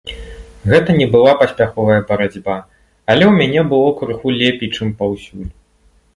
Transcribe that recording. Гэта не была паспяховая барацьба, але ў мяне было крыху лепей, чым паўсюль.